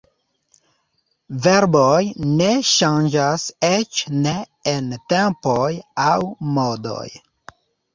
Verboj ne ŝanĝas eĉ ne en tempoj aŭ modoj.